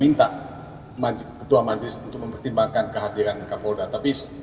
minta majid ketua majlis untuk mempertimbangkan kehadiran kapol datapis